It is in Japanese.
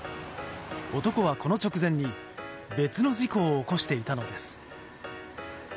男はこの直前に別の事故を起こしていたのです。